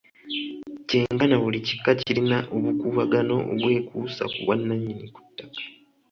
Kyenkana buli kika kirina obukuubagano obwekuusa ku bwannannyini ku ttaka.